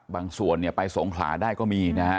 บางส่วนเนี่ยไปสงขลาได้ก็มีนะฮะ